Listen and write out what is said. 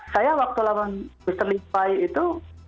saya waktu lawan booster limpai itu